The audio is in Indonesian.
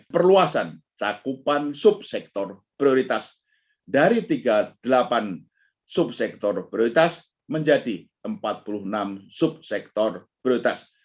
perluasan cakupan subsektor prioritas dari tiga puluh delapan subsektor prioritas menjadi empat puluh enam subsektor prioritas